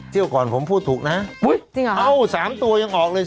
เที่ยวก่อนผมพูดถูกนะอุ๊ยเอ้า๓ตัวยังออกเลย๔๖อะ